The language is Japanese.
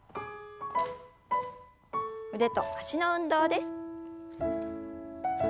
腕と脚の運動です。